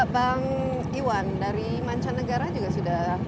bang iwan dari mancanegara juga sudah